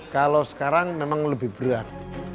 kalau sekarang memang lebih berat